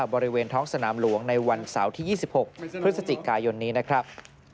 บริเวณท้องสนามหลวงในวันเสาร์ที่๒๖พฤศจิกายนนี้นะครับ